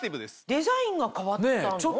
デザインが変わったの？